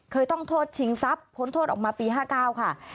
เคยต้องโทษชิงทรัพย์ผลโทษออกมาปี๑๙๕๙ค่ะ